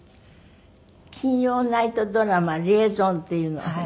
金曜ナイトドラマ『リエゾン』っていうのが。